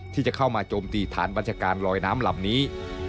ที่จะเข้ามาโจมตีฐานบัญชาการลอยน้ำลำนี้